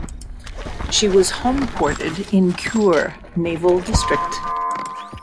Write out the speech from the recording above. She was homeported in Kure Naval District.